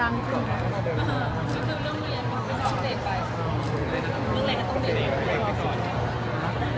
แต่เล็งไปก่อน